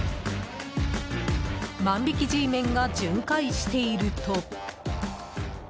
万引きＧメンが巡回していると。